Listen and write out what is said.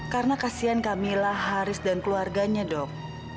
karena kasihan kamila haris dan keluarganya dok